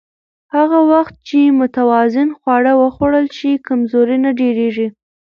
هغه وخت چې متوازن خواړه وخوړل شي، کمزوري نه ډېریږي.